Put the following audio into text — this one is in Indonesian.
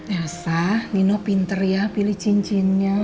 ya sah nino pinter ya pilih cincinnya